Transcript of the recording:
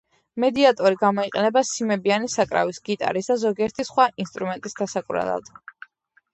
მედიატორი გამოიყენება სიმებიანი საკრავის, გიტარის, და ზოგიერთი სხვა ინსტრუმენტის დასაკვრელად.